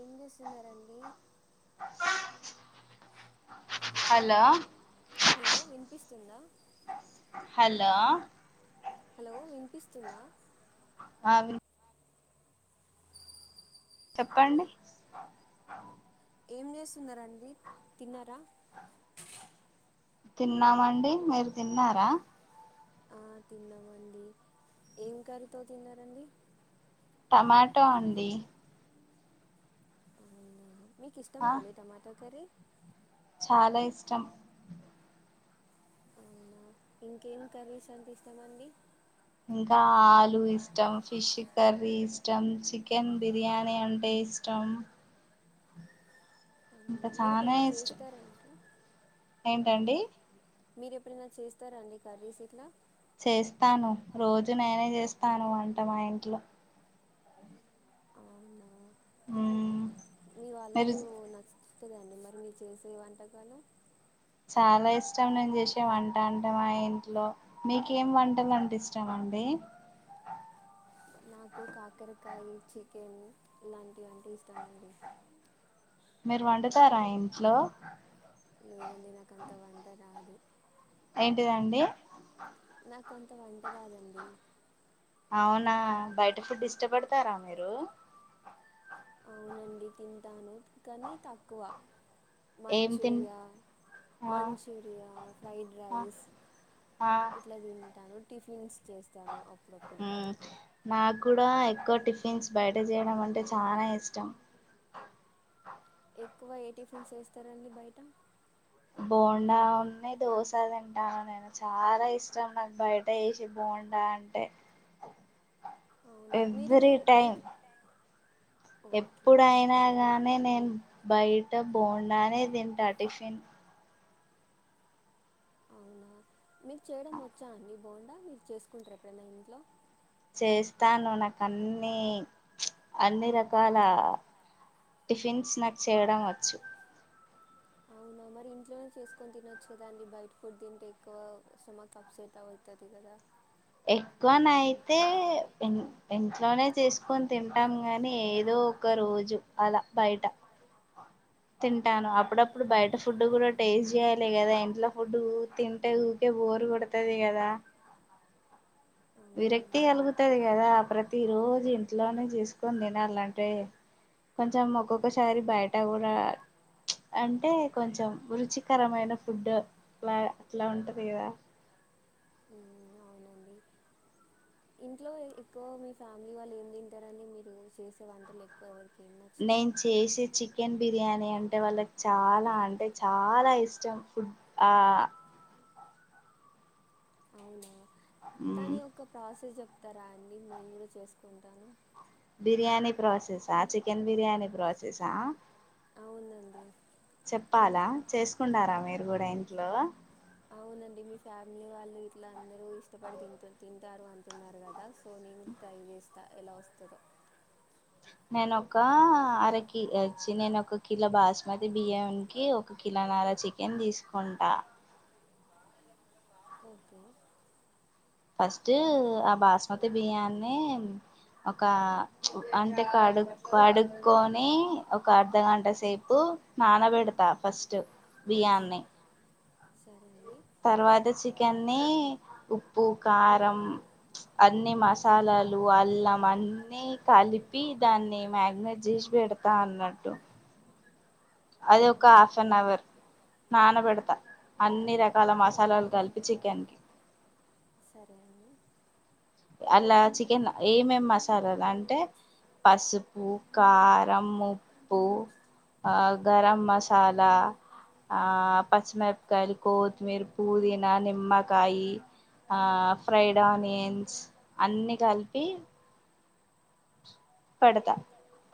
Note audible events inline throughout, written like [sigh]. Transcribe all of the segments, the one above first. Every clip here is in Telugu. ఏం చేస్తున్నారండి హలో హలో వినిపిస్తుంద హలో హలో వినిపిస్తుంద ఆ విని చెప్పండి ఏం చేస్తున్నారండి తిన్నార తిన్నామండి మీరు తిన్నారా ఆ తిన్నామండి ఏం కరితో తిన్నారండి టమాటో అండి మీకు ఇష్టమాఅండి టమాటా కర్రీ చాల ఇష్టం అవునా ఇంకేం కర్రీస్ అంటే ఇస్టమండి ఇంకా ఆలు ఇష్టం ఫిష్ కర్రీ ఇష్టం చికెన్ బిర్యానీ అంటే ఇస్టం ఇంక చన ఇష్టం మీరు ఎప్పుడైన చేస్తారాండి కర్రీస్ ఇట్ల చేస్తాను రోజు నేనే చేస్తాను వంట మా ఇంట్లో మీ వాళ్ళకు న స్తుదండి మరి మీ చేసే వంటకాలు చాలా ఇష్టం నేను చేసే వంట అంటే మా ఇంట్లో మీకేం వంటలు అంటే ఇష్టం ఆ అండి నాకు కాకరకాయి చికెన్ లాంటివంటి ఇష్టమండి మీరు వండుతారా ఇంట్లో లేదండి నాకంత వంట రాదు ఏంటిదండి అవునా బయట ఫుడ్ ఇష్టపడతారా మీరు అవునండి తింటాను కానీ తక్కువ మంచూరియా మంచూరియా ఫ్రైడ్ రైస్ ఇట్లా తింటాను టిఫిన్స్ చేస్తాను అప్పుడప్పుడు నాకు కూడా ఎక్కువ టిఫిన్స్ బయట చేయడం అంటే చానా ఇష్టం ఎక్కువ ఏ టిఫిన్స్ చేస్తారండి బయట బోండా ఉన్నీ దోశ తింటాను నేను చాలా ఇష్టం నాకు బయట చేసే బోడ్ బోండా అంటే ఎవ్రీ టైం ఎప్పుడ అయినా గానీ నేను బయట్ ట బోండానే తింటా టిఫిన్ అవునా మీకు చేయడం వచ్చా అండి బోండా మీరు చేసుకుంటార ఎప్పుడనా ఇంట్లో చేస్తాను నాకు అన్ని ఉచ్ అన్ని రకాల టిఫెన్స్ నాకు చేయడం వచ్చు అవున్ ఆ మరి ఇంట్లోనే చేసుకొని తినొచ్చు కదా అండి బయట ఫుడ్ తింటే ఎక్కువ స్టమోక్ అప్సెట్ అవవుతది కదా ఎక్కువనయితే ఇన్ ఇంట్లోనే చేసుకొని తింటాం గాని ఏదో ఒక రోజు అలా బయట తింటాను అప్పుడప్పుడు బయట ఫుడ్ కూడా టేస్ట్ చేయాలి లే కదా ఇంట్లో ఫుడ్ ఊర్ తింటే ఊకే బోర్ కొడతది కదా విరక్తి కలుగుతది కదా ప్రతి రోజు ఇంట్లోనే చేస్ కొన్ తినలాంటే కొంచెం ఒక్కొక్కసారి బయట కూడా ఉచ్ అంటే కొంచెం రుచికరమైన ఫుడ్ అట్లగా అట్లా ఉంటది కదా ఉమ్ అవునండి ఇంట్లో ఎక్కువ మీ ఫ్యామిలీ వాళ్ళు ఏం తింటారండి మీరు చేసే వంటలు ఎక్కువ ఎవర్ నేను చేసే చికెన్ బిర్ బిర్యానీ అంటే వాళ్ళకి చాలా అంటే చాలా ఇష్టం ఫుడ్ ఆ అవునా దాని ఒక ప్రాసెస్ చోప్ తరా అండి నేను కూడా చేసుకుంటాను బిర్యాణి ప్రాసెసా చికెన్ బిర్యాణి ప్రాసెస్సా అవునండి చెప్పాలా చేసుకుంటారా మీరు కూడా ఇంట్లో ఫ్యామిలీ వాళ్ళు ఇట్లా అందరు ఇష్టపడి తింట్ తింటారు అంటున్నారు కదా సో నేను ట్రై చేస్తా స్త ఎలా వస్తాదో నేనొ ఒక అరకి వచ్చి నేను ఒక కిలో బాస్మతి బియ్యానికి ఒక కిలో నా నాదా చికెన్ దీసుకుంటా నాక్ ఓకే ఫస్టు ఆ బాస్మతి బియ్యాన్ని ఒక అంటే కడుక్ కడుకోన్ నీ ఒక అర్ధ గంట సేపు నానబెడతా ఫస్ట్ బియ్యాన్ని. సరేండి. తర్వాత చికెన్ని ఉప్పు కారం. అన్ని మసాలాలు అల్లం అన్ని కలిపి దాన్ని మ్యాగినేట్ జేష్ బే పేడతా అన్నట్టు అదొక్క హాఫ్ అన్ అవర్. నానబెడతా అన్ని రకాల మసాలాలు గలపి చికెన్కి సరే అండి అలా చికెన్ ఏమేమ్ మసాలాలు అంటే పసుపు, కారం, ముప్పు. ఆ గరం మసాలా ఆ పచ్చిమిరపకాయలు, కొత్తిమీర్, పుదీనా నిమ్మకాయి. ఆ ఫ్రైడ్ ఆనియన్స్ అన్ని గలపి పెడతా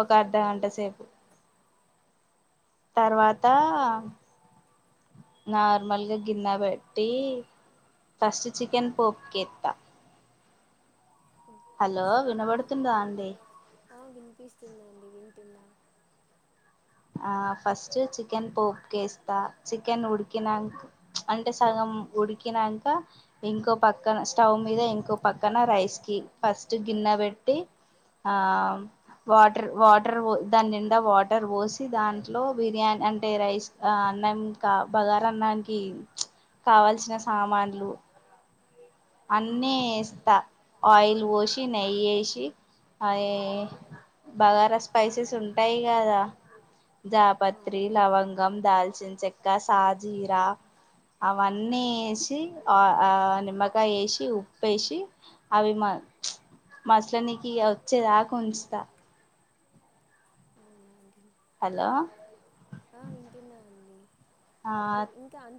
ఒక అర్ధ గంట సేపు. తర్వాత నార్మల్గా గిన్న బట్టి ఫస్ట్ చికెన్ పొప్పకేంత. ఒకే సరే అండి, ఆ వినపిస్తుందండి. ఈనా ఆ ఫస్ట్ చికెన్ పోప్ కేస్తా చికెన్ ఉడికినక్ అంటే సగం ఉడికినాక ఇంకోప్ పక్కన స్టవ్ మీద ఇంకో పక్కన రైస్ కి ఫస్ట్ గిన్నె బెట్టి. ఆ వాటర్ వాటర్వో దాని నిండా వాటర్ వోస్ దాంట్లో బిర్యానీ అంటే రైస్ అన్న కా భగర్ అన్నానికి. కావల్సిన సామాన్లు. అన్నీ ఏస్తా ఆయిల్ పోసి నెయ్ ఏషీ. అదే భగర్ రైస్ స్పైసెస్ ఉంటాయి గదా. జాపత్రి, లవంగం, దాల్చన్ చెక్క, సాజీరా. అవన్నీ ఏసి ఆ ఆ నిమ్మక్ ఏషీ ఉప్పేషి అవి మా మాస్లానికి ఇగా వచ్చేదాక్ ఉంచుతా. అవున్ ఆ వింటున్నా అండి ఇంకా అన్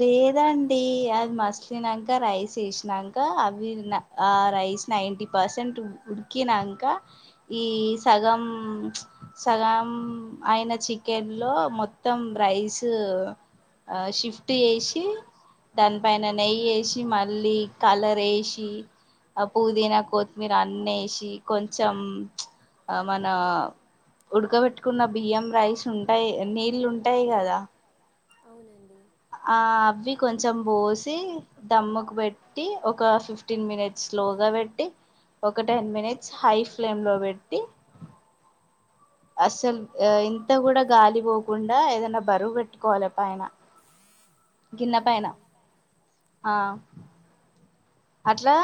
లేదండి. అది మాస్లినాక రైస్ ఎషిన్నాక అవి ఇద్ నా ఆ రా రైస్ నైంటి పర్సెంట్ ఉడికినాక ఈజ్ సగం సగం అయిన చికెన్ లో మొత్తం రైసు. ఓహ్ ఆ షిఫ్ట్ ఏషీ. దాన్ పైన నెయ్యి ఏషీ మళ్ళీ కలర్ ఏషీ ఆ పుదీనా కొత్ మీరా అన్నేషి కొంచెం మనప్ ఉడకబెట్టుకున్న బియ్యం రైస్ ఉంటాయి నీళ్లు ఉంటాయి గదా. అవునన్ ఆ అవి కొంచెం బోసి దమ్ముకు బెట్టి ఒక ఫిఫ్టీన్ మినిట్స్ స్లోగా పెట్టి ఒక టెన్ మినిట్స్ హై ఫ్లేమ్లో పెట్టి అస్సలు ఇంత కూడా గాలి పోకుండా ఏదనా బరువు పెట్టుకోవాల పయన గిన్న పయన ఆ అట్లా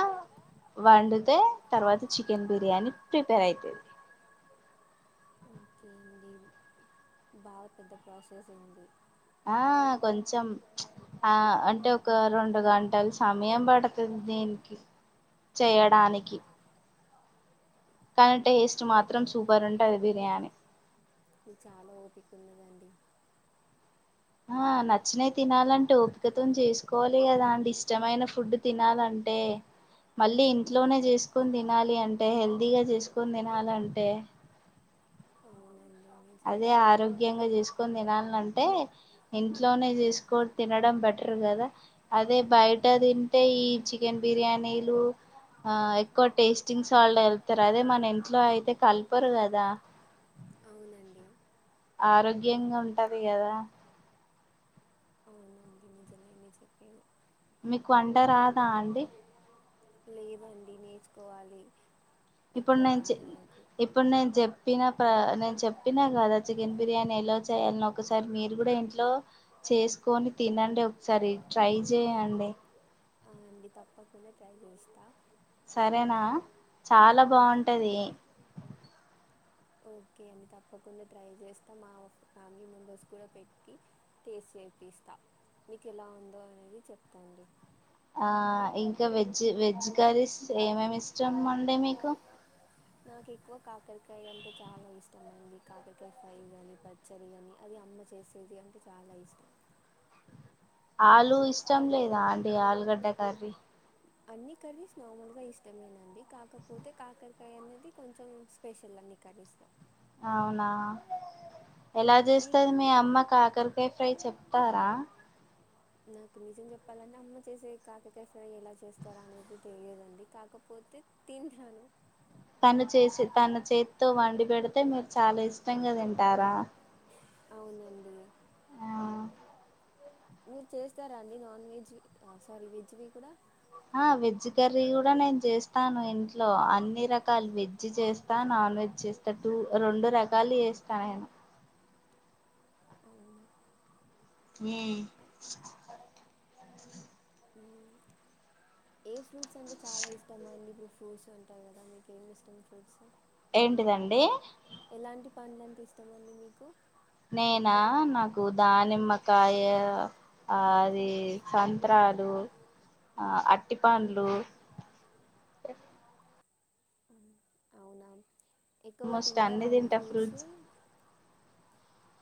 వండితే తర్వాత చికెన్ బిర్యానీ ప్రిపేర్ అవుతుంది ఓకే అండి బాగా పెద్ద ప్రాసెస్ అండి ఆ కొంచెం ఆ అంటే ఒక రెండు గంటలు సమయం పడుతుంది దీనికి చేయడానికి కానీ టేస్ట్ మాత్రం సూపర్ ఉంటది బిర్యానీ ఆ నచ్చినవి తినాలంటే ఓపికతోనీ చేసుకోవాలి కదా అంటే ఇష్టమైన ఫుడ్ తినాలంటే మళ్ళీ ఇంట్లోనే చేసుకొని తినాలి అంటే హెల్దీగా చేసుకొని తినాలంటే అవునండి అదే ఆరోగ్యంగా చేసుకొని తినాలని అంటే ఇంట్లోనే చేసుకొని తినడం బెటర్ గదా అదే బయట తింటే ఈ చికెన్ బిర్యానీలు ఉ ఆ ఎక్కువ టేస్టింగ్ సాల్ట్ కలుపుతారు అదే మన ఇంట్లో అయితే కలుపరు గదా అవును అవునండి నిజామే మీరు చెప్పేది మీకు వంట రాదా అండి లేదండి నేర్చుకోవాలి ఇప్పుడు నేను చె ఇప్పుడు నేను చెప్పిన నేను చెప్పినా గదా చికెన్ బిర్యానీ ఎలా చేయాలని ఒకసారి మీరు కూడ ఇంట్లో చేసు కొని తినండి ఒకసారి ట్రై చేయండి ఆ అండి తప్పకుండ ట్రై చేస్తా సరేనా చాలా బాగుంటది ఓకే అండి తప్పకుండా ట్రై చేస్తా మా ఫ్యామిలీ మెంబెర్స్ కూడ పెట్టి టెస్ట్ చేపిస్తా మీకు ఎలా ఉందో అనేది చెప్తాండి ఆ ఇంకా వెజ్ వెజ్ కర్రీ స్ ఏమేమి ఇష్టం అండి మీకు నాకు ఎక్కువ కాకరకాయ అంటే చాలా ఇష్టం అండి కాకరకాయ ఫ్రై గానీ పచ్చడి గానీ అది అమ్మ చేసేది అంటే చాలా ఇష్టం ఆలు ఇష్టం లేదా అండి ఆలుగడ్డ కర్రీ అన్ని కర్రీస్ నార్మల్ గా ఇష్టమేనండి కాకపోతే కాకరకాయ అనేది కొంచెం స్పెషల్ నీకు అన్ని ఇష్టం అవునా ఎలా చేస్తది మీ అమ్మ కాకరకాయ ఫ్రై చెప్తారా నాకు నిజం చెప్పాలన్నా అమ్మ చేసే కాకకాయ్ ఫ్రై ఎలా చేస్తారా అనేది తెలియదండి కాకపోతే తిన్నాను తను చేసి తన చేతితో వండి పెడితే మీరు చాల ఇష్టంగా తింటారా అవునండి మీరు చేస్తారా అండి నాన్ వెజ్ సారీ వెజ్ వి కూడా ఆ వెజ్ కర్రీ గూడ నేను చేస్తాను ఇంట్లో అన్ని రకాల వెజ్ చేస్తా నాన్ నాన్ వెజ్ చేస్తా టు రెండు రకాలు చేస్తా నేను అవునా ఉహ్ మ్ ఏ ఫ్రూట్స్ అంటే చాలా ఇష్టం అండి మీ ఫ్రూట్స్ ఉంటాయి గదా మీకు ఏం ఇష్టం ఫ్రూట్స్ ఏంటిదండి పండ్లు అంటే ఇష్టమా అండి మీకు నేనా నాకు దానిమ్మకాయ అది సంత్రాలు అర్టిపండ్లు పండ్లు [inaudible] అవునా ఎక్కుగ తింటారా అండి ఫ్రూట్స్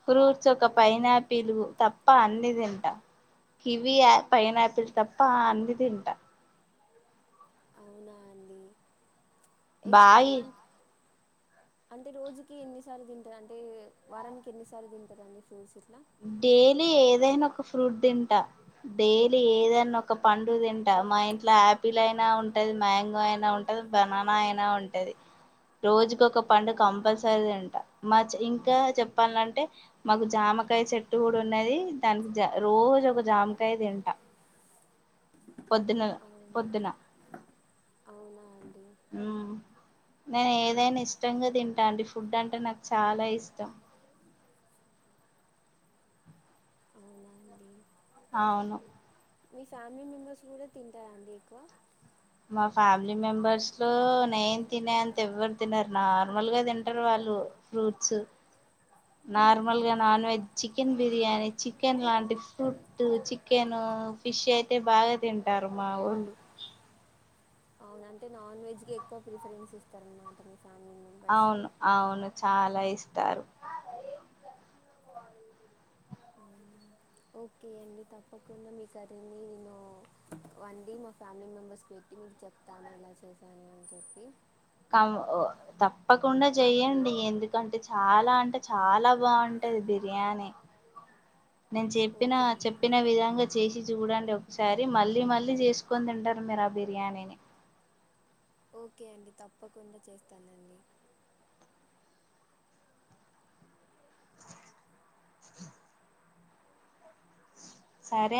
ఫ్రూట్స్ ఒక పైనాపిల్ తప్ప అన్నీ తింటా కివి పైనాపిల్ తప్ప అన్నీ తింటా అవునా అండి ఎక్కువ అం అంటే రోజుకి ఎన్నిసార్లు తింటరు అంటే వారానికి ఎన్నిసార్లు తింటరు అండి ఫ్రూట్స్ ఇట్లా డేలీ ఏదైన ఒక ఫ్రూట్ తింటా డేలీ ఏదైన ఒక పండు తింటా మా ఇంట్లో ఆపిల్ అయినా ఉంటది మ్యాంగో అయినా ఉంటది బనానా అయినా ఉంటది రోజుకొక పండు కంపల్సరీ తింటా మ చ్ ఇంకా చెప్పాలంటే మాకు జామ యి చెట్టు కూడ ఉన్నది దానికి రోజు ఒక జామకాయ తింటా పొద్దున పొద్దున అవునా అం ఆ నేను ఏదైనా ఇష్టంగా తింటా అండి ఫుడ్ అంటే నాకు చాలా ఇష్టం అవునా అండి అవును మీ ఫ్యామిలీ మెంబెర్స్ కూడా తింటారండి ఎక్కువ మా ఫ్యామిలీ మెంబర్స్ లో నేన్ తినే అంత ఎవ్వరు తినర్ నార్మల్ గా తింటారు వాళ్ళు లు ఫ్రూట్స్ నార్మల్ గా non veg chicken biryani chicken లాంటి ఫ్రూట్ చికెన్ హు ఫిష్ అయితే బాగా తింటారు మా ఓళ్ళు అవునా అంటే నాన్ వెజ్ కి ఎక్కువ ప్రిఫరెన్స్ ఇస్తారన్నమాట మీరు అవును అవును చాలా ఇస్తారు అవున ఓకే అండి తప్పకుండా మీ కర్రని నేను వండి మా ఫ్యామిలీ మెంబర్స్కీ పెట్టి మీకు చెప్తాను ఎలా చేసాను అని చెప్పి క తప్పకుండా చేయండి ఎందుకంటే చాలా అంటే చాలా బాగుం ఇది బిర్యానీ నేను చెప్పిన చెప్పిన విధంగా చేసి చూడండి ఓక్ స్ సారి మళ్ళీ మళ్ళీ చేసుకొని తింటారు మీరు ఆ బిర్యానీని ఓకే అండి తప్పకుండా చేస్తానండి సరే